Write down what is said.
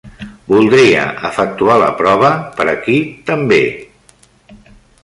Voldria efectuar la prova per aquí també.